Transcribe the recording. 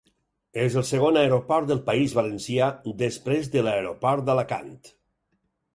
És el segon aeroport del País Valencià després de l'Aeroport d'Alacant.